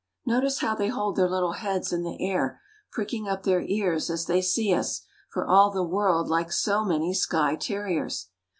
Notice how they hold their little heads in the' air, pricking up their ears as they see us, for all the world like so many Skye terriers.